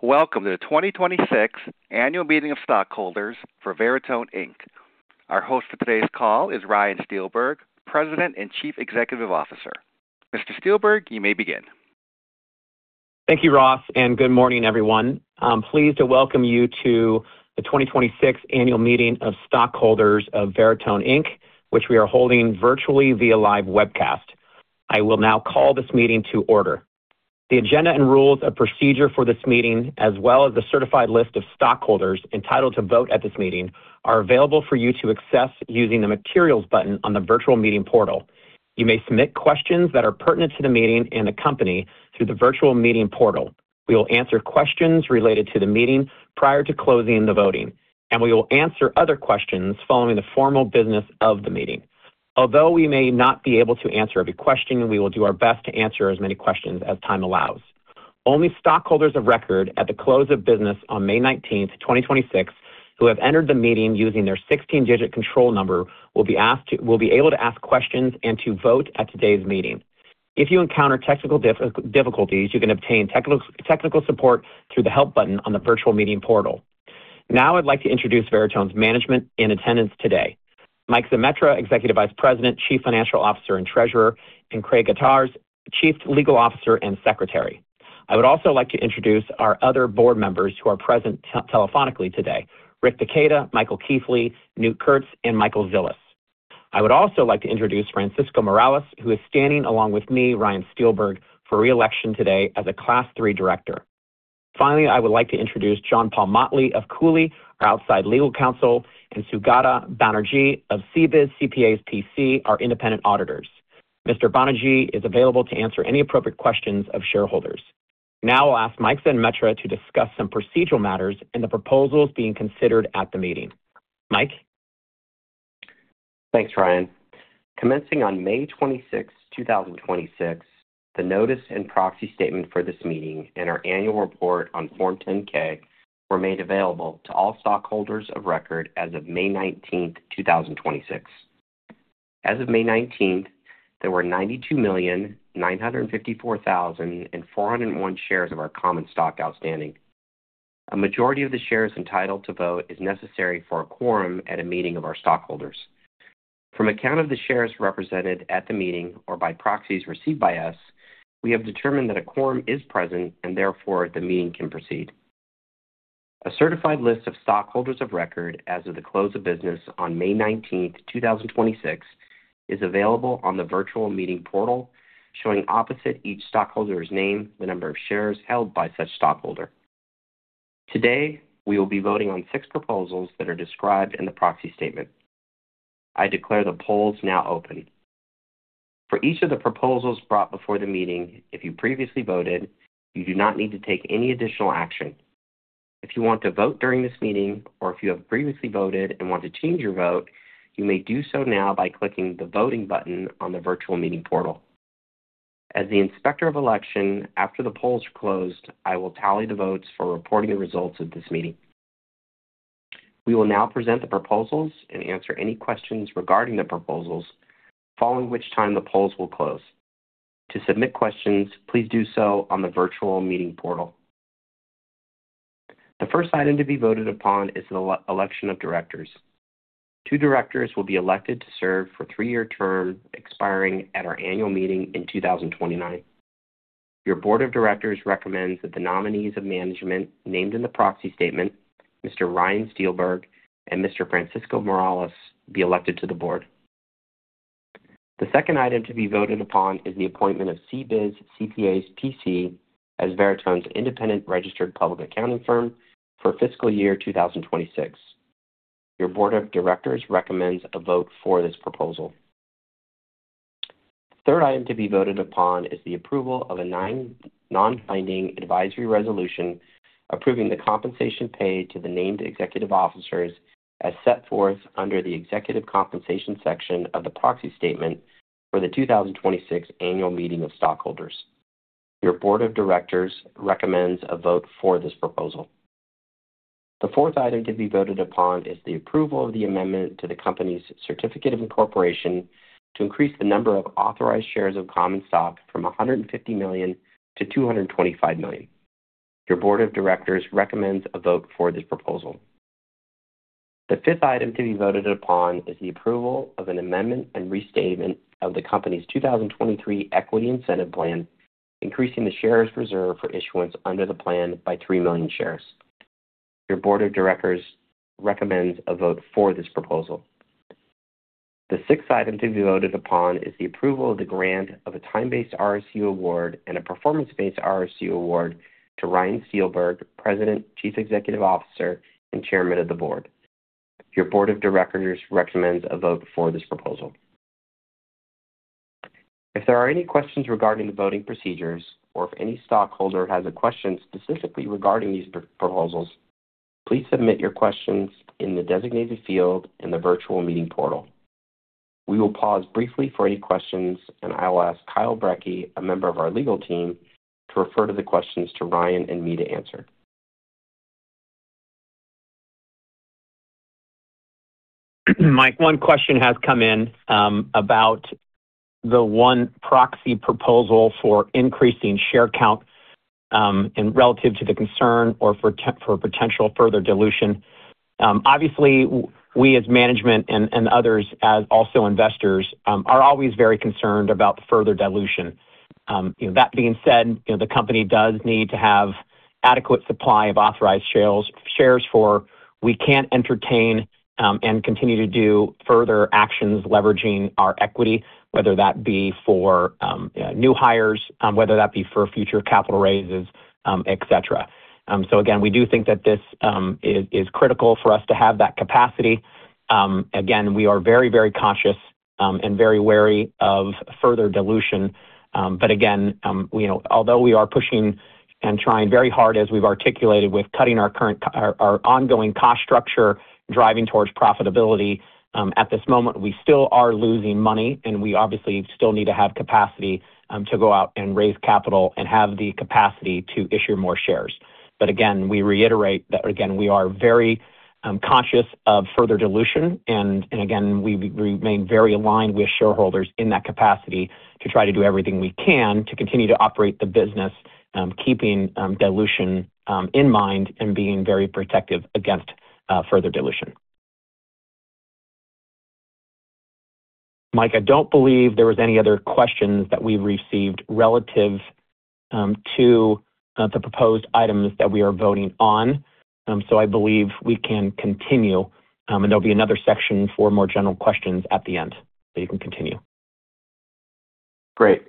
Welcome to the 2026 Annual Meeting of Stockholders for Veritone, Inc. Our host for today's call is Ryan Steelberg, President and Chief Executive Officer. Mr. Steelberg, you may begin. Thank you, Ross, and good morning everyone. I'm pleased to welcome you to the 2026 Annual Meeting of Stockholders of Veritone, Inc., which we are holding virtually via live webcast. I will now call this meeting to order. The agenda and rules of procedure for this meeting, as well as the certified list of stockholders entitled to vote at this meeting, are available for you to access using the materials button on the virtual meeting portal. You may submit questions that are pertinent to the meeting and the company through the virtual meeting portal. We will answer questions related to the meeting prior to closing the voting, and we will answer other questions following the formal business of the meeting. Although we may not be able to answer every question, we will do our best to answer as many questions as time allows. Only stockholders of record at the close of business on May 19th, 2026, who have entered the meeting using their 16-digit control number, will be able to ask questions and to vote at today's meeting. If you encounter technical difficulties, you can obtain technical support through the help button on the virtual meeting portal. Now I'd like to introduce Veritone's management in attendance today. Mike Zemetra, Executive Vice President, Chief Financial Officer, and Treasurer, and Craig Gatarz, Chief Legal Officer and Secretary. I would also like to introduce our other board members who are present telephonically today. Rick Taketa, Michael Keithley, Knute Kurtz, and Michael Zilis. I would also like to introduce Francisco Morales, who is standing along with me, Ryan Steelberg, for re-election today as a Class III director. Finally, I would like to introduce John Paul Motley of Cooley, our outside legal counsel, and Sougata Banerjee of CBIZ CPAs, P.C., our independent auditors. Mr. Banerjee is available to answer any appropriate questions of shareholders. Now I'll ask Mike Zemetra to discuss some procedural matters and the proposals being considered at the meeting. Mike? Thanks, Ryan. Commencing on May 26th, 2026, the notice and proxy statement for this meeting and our annual report on Form 10-K were made available to all stockholders of record as of May 19th, 2026. As of May 19th, there were 92,954,401 shares of our common stock outstanding. A majority of the shares entitled to vote is necessary for a quorum at a meeting of our stockholders. From a count of the shares represented at the meeting or by proxies received by us, we have determined that a quorum is present and therefore the meeting can proceed. A certified list of stockholders of record as of the close of business on May 19th, 2026, is available on the virtual meeting portal, showing opposite each stockholder's name the number of shares held by such stockholder. Today, we will be voting on six proposals that are described in the proxy statement. I declare the polls now open. For each of the proposals brought before the meeting, if you previously voted, you do not need to take any additional action. If you want to vote during this meeting, or if you have previously voted and want to change your vote, you may do so now by clicking the voting button on the virtual meeting portal. As the Inspector of Election, after the polls are closed, I will tally the votes for reporting the results of this meeting. We will now present the proposals and answer any questions regarding the proposals, following which time the polls will close. To submit questions, please do so on the virtual meeting portal. The first item to be voted upon is the election of directors. Two directors will be elected to serve for a three-year term expiring at our annual meeting in 2029. Your board of directors recommends that the nominees of management named in the proxy statement, Mr. Ryan Steelberg and Mr. Francisco Morales, be elected to the board. The second item to be voted upon is the appointment of CBIZ CPAs, P.C. as Veritone's independent registered public accounting firm for fiscal year 2026. Your board of directors recommends a vote for this proposal. The third item to be voted upon is the approval of a non-binding advisory resolution approving the compensation paid to the named executive officers as set forth under the executive compensation section of the proxy statement for the 2026 Annual Meeting of Stockholders. Your board of directors recommends a vote for this proposal. The fourth item to be voted upon is the approval of the amendment to the company's Certificate of Incorporation to increase the number of authorized shares of common stock from 150 million to 225 million. Your board of directors recommends a vote for this proposal. The fifth item to be voted upon is the approval of an amendment and restatement of the company's 2023 Equity Incentive Plan, increasing the shares reserved for issuance under the plan by 3 million shares. Your board of directors recommends a vote for this proposal. The sixth item to be voted upon is the approval of the grant of a time-based RSU award and a performance-based RSU award to Ryan Steelberg, President, Chief Executive Officer, and Chairman of the Board. Your board of directors recommends a vote for this proposal. If there are any questions regarding the voting procedures or if any stockholder has a question specifically regarding these proposals, please submit your questions in the designated field in the virtual meeting portal. We will pause briefly for any questions, and I will ask Kyle Brekke, a member of our legal team, to refer the questions to Ryan and me to answer. Mike, one question has come in about the one proxy proposal for increasing share count and relative to the concern for potential further dilution. Obviously, we as management and others as also investors, are always very concerned about further dilution. That being said, the company does need to have adequate supply of authorized shares for we can entertain and continue to do further actions leveraging our equity, whether that be for new hires, whether that be for future capital raises, et cetera. Again, we do think that this is critical for us to have that capacity. Again, we are very conscious and very wary of further dilution. Again, although we are pushing and trying very hard, as we've articulated, with cutting our ongoing cost structure, driving towards profitability, at this moment, we still are losing money, and we obviously still need to have capacity to go out and raise capital and have the capacity to issue more shares. Again, we reiterate that, again, we are very conscious of further dilution and, again, we remain very aligned with shareholders in that capacity to try to do everything we can to continue to operate the business, keeping dilution in mind and being very protective against further dilution. Mike, I don't believe there was any other questions that we received relative to the proposed items that we are voting on. I believe we can continue, and there'll be another section for more general questions at the end. You can continue. Great.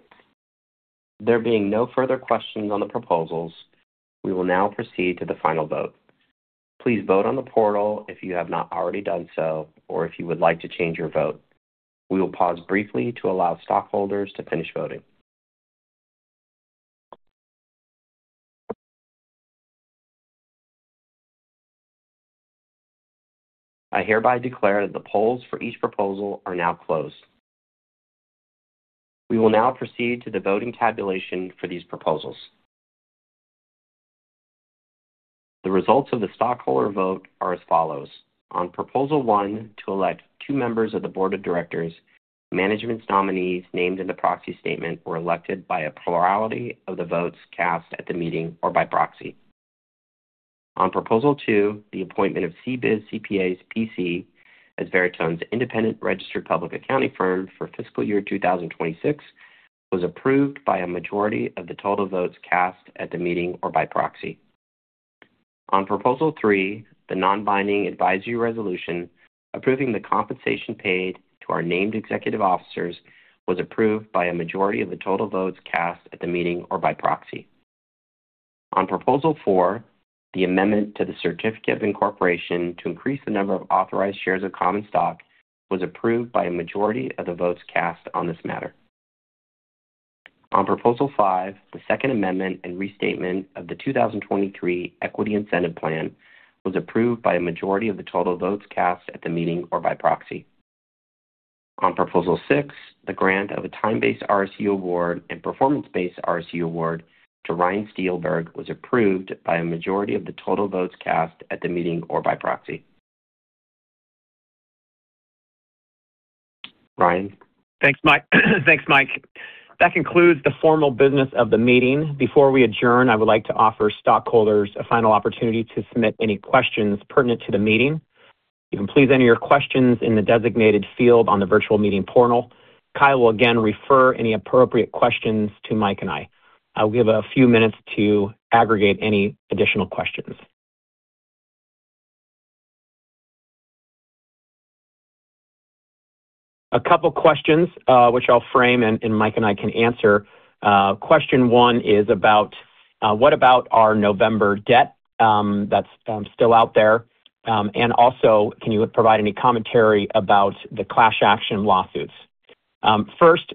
There being no further questions on the proposals, we will now proceed to the final vote. Please vote on the portal if you have not already done so, or if you would like to change your vote. We will pause briefly to allow stockholders to finish voting. I hereby declare that the polls for each proposal are now closed. We will now proceed to the voting tabulation for these proposals. The results of the stockholder vote are as follows. On Proposal One, to elect two members of the Board of Directors, management's nominees named in the proxy statement were elected by a plurality of the votes cast at the meeting or by proxy. On Proposal Two, the appointment of CBIZ CPAs, P.C., as Veritone's independent registered public accounting firm for fiscal year 2026, was approved by a majority of the total votes cast at the meeting or by proxy. On Proposal Three, the non-binding advisory resolution approving the compensation paid to our named executive officers was approved by a majority of the total votes cast at the meeting or by proxy. On Proposal Four, the amendment to the Certificate of Incorporation to increase the number of authorized shares of common stock was approved by a majority of the votes cast on this matter. On Proposal Five, the second amendment and restatement of the 2023 Equity Incentive Plan was approved by a majority of the total votes cast at the meeting or by proxy. On Proposal Six, the grant of a time-based RSU award and performance-based RSU award to Ryan Steelberg was approved by a majority of the total votes cast at the meeting or by proxy. Ryan. Thanks, Mike. Thanks, Mike. That concludes the formal business of the meeting. Before we adjourn, I would like to offer stockholders a final opportunity to submit any questions pertinent to the meeting. You can please enter your questions in the designated field on the virtual meeting portal. Kyle will again refer any appropriate questions to Mike and I. I will give a few minutes to aggregate any additional questions. A couple questions, which I'll frame and Mike and I can answer. Question one is about, what about our November debt that's still out there? Also, can you provide any commentary about the class action lawsuits? First,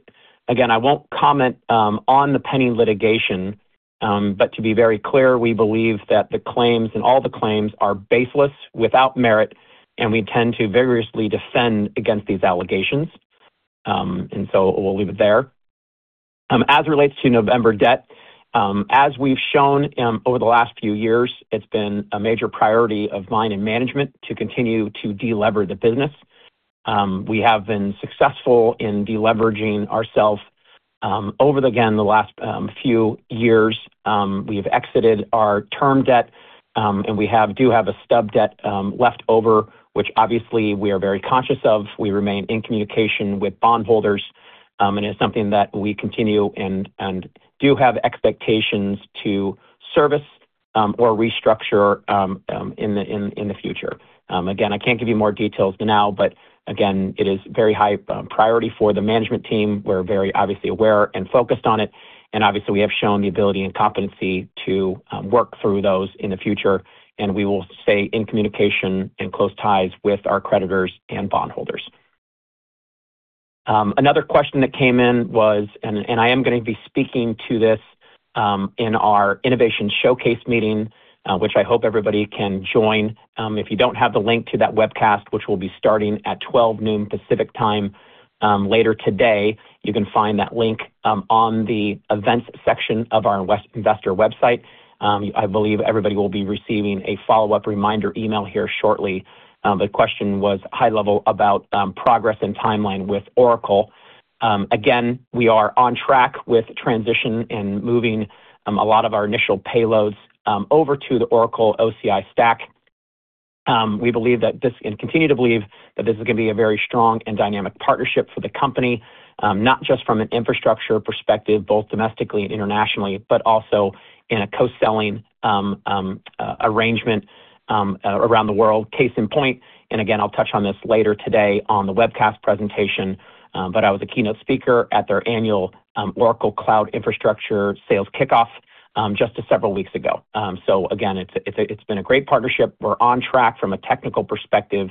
again, I won't comment on the pending litigation, but to be very clear, we believe that the claims and all the claims are baseless, without merit, and we intend to vigorously defend against these allegations. So we'll leave it there. As it relates to November debt, as we've shown over the last few years, it's been a major priority of mine and management to continue to delever the business. We have been successful in deleveraging ourself over, again, the last few years. We've exited our term debt, and we do have a stub debt left over, which obviously we are very conscious of. We remain in communication with bondholders, and it's something that we continue and do have expectations to service or restructure in the future. Again, I can't give you more details now, but again, it is very high priority for the management team. We're very obviously aware and focused on it, and obviously, we have shown the ability and competency to work through those in the future, and we will stay in communication and close ties with our creditors and bondholders. Another question that came in was, and I am going to be speaking to this in our innovation showcase meeting, which I hope everybody can join. If you don't have the link to that webcast, which will be starting at 12:00 P.M. Pacific Time later today, you can find that link on the events section of our investor website. I believe everybody will be receiving a follow-up reminder email here shortly. The question was high level about progress and timeline with Oracle. Again, we are on track with transition and moving a lot of our initial workloads over to the Oracle OCI stack. We believe that this, and continue to believe, that this is going to be a very strong and dynamic partnership for the company, not just from an infrastructure perspective, both domestically and internationally, but also in a co-selling arrangement around the world. Case in point, and again, I'll touch on this later today on the webcast presentation, but I was a keynote speaker at their annual Oracle Cloud Infrastructure sales kickoff just several weeks ago. Again, it's been a great partnership. We're on track from a technical perspective,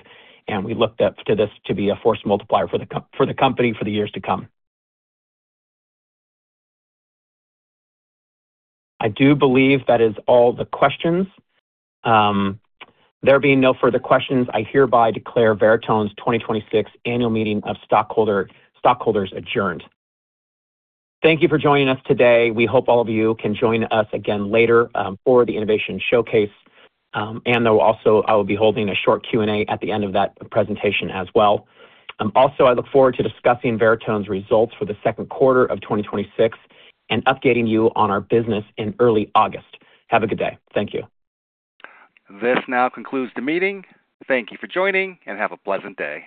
and we look to this to be a force multiplier for the company for the years to come. I do believe that is all the questions. There being no further questions, I hereby declare Veritone's 2026 Annual Meeting of Stockholders adjourned. Thank you for joining us today. We hope all of you can join us again later for the innovation showcase, and also I will be holding a short Q&A at the end of that presentation as well. Also, I look forward to discussing Veritone's results for the second quarter of 2026 and updating you on our business in early August. Have a good day. Thank you. This now concludes the meeting. Thank you for joining, and have a pleasant day.